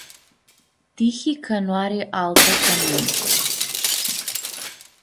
Tihi ca noari altã ca mini.